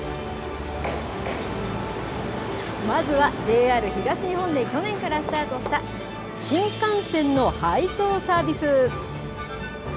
まずはＪＲ東日本で去年からスタートした、新幹線の配送サービス。